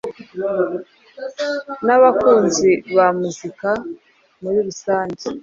n’abakunzi ba muzika muri rusange.